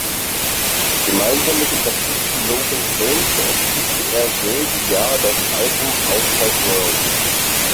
Gemeinsam mit dem Bassisten Logan Kane veröffentlichte er selben Jahr das Album "Outside World".